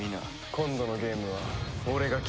今度のゲームは俺が決める。